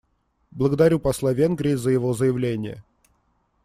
Благодарю посла Венгрии за его заявление.